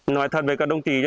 nói thật với các đồng tỷ